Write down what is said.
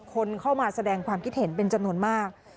คนเข้ามาแสดงความคิดเห็นเป็นจำนวนมาก